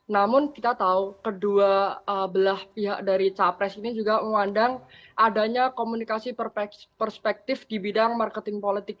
namun kita tahu kedua belah pihak dari capres ini juga memandang adanya komunikasi perspektif di bidang marketing politik